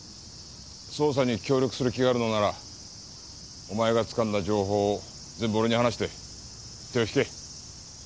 捜査に協力する気があるのならお前がつかんだ情報を全部俺に話して手を引け。